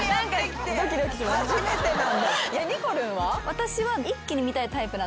私は。